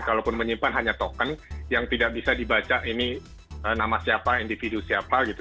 kalaupun menyimpan hanya token yang tidak bisa dibaca ini nama siapa individu siapa gitu